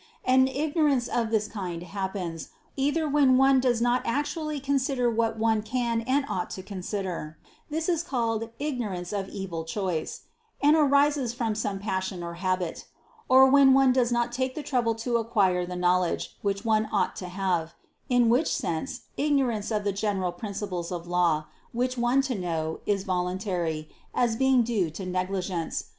And ignorance of this kind happens, either when one does not actually consider what one can and ought to consider; this is called "ignorance of evil choice," and arises from some passion or habit: or when one does not take the trouble to acquire the knowledge which one ought to have; in which sense, ignorance of the general principles of law, which one to know, is voluntary, as being due to negligence.